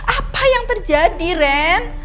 apa yang terjadi ren